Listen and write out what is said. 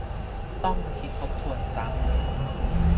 ต้องมาคิดทบทวนซ้ำ